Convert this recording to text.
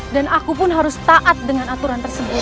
dan aku pun harus taat dengan aturan tersebut